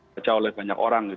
pecah oleh banyak orang